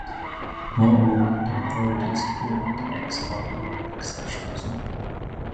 Moreover, the authority is clear that the "Ex parte Young" exception does not apply.